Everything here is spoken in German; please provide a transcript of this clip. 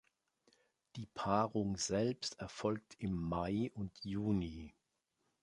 Die Paarung selbst erfolgt im Mai und Juni.